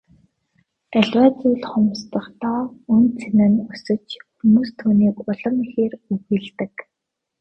Аливаа зүйл хомсдохдоо үнэ цэн нь өсөж хүмүүс түүнийг улам ихээр үгүйлдэг.